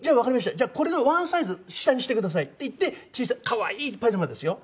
じゃあこれのワンサイズ下にしてください」って言って可愛いパジャマですよ。